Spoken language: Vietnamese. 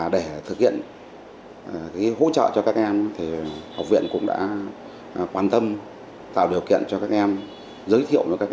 để thực hiện hỗ trợ cho các em thì học viện cũng đã quan tâm tạo điều kiện cho các em giới thiệu cho các